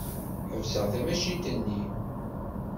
Ḥebseɣ tamacint-nni.